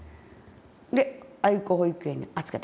で愛光保育園に預けた。